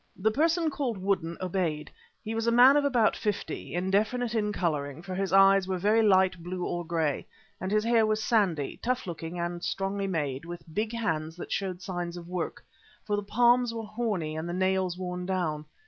The person called Woodden obeyed. He was a man of about fifty, indefinite in colouring, for his eyes were very light blue or grey and his hair was sandy, tough looking and strongly made, with big hands that showed signs of work, for the palms were horny and the nails worn down.